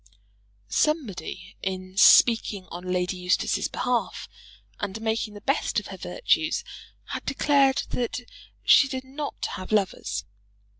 Somebody, in speaking on Lady Eustace's behalf, and making the best of her virtues, had declared that she did not have lovers.